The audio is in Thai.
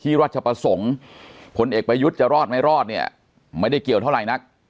ที่รัชปะสงศ์ผลเอกบายุทธ์จะรอดไม่ได้เกี่ยวเท่าไหร่นัก